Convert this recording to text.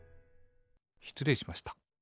しつれいしました。